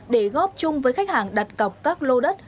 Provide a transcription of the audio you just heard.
để góp chung với khách hàng đặt cọc các lô đất